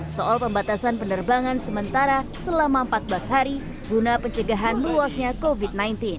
soal pembatasan penerbangan sementara selama empat belas hari guna pencegahan luasnya covid sembilan belas